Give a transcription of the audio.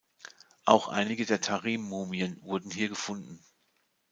Auch einige der Tarim-Mumien wurden hier gefunden.